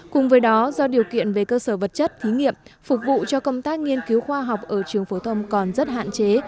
cùng với đó do điều kiện về cơ sở vật chất thí nghiệm phục vụ cho công tác nghiên cứu khoa học ở trường phổ thông còn rất hạn chế